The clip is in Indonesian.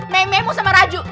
mememu sama raju